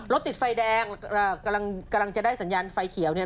รถติดไฟแดงกำลังจะได้สัญญาณไฟเขียวเนี่ย